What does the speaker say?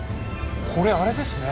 これあれですね。